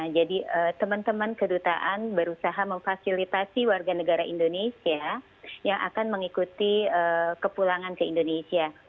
jadi teman teman kedutaan berusaha memfasilitasi warga negara indonesia yang akan mengikuti kepulangan ke indonesia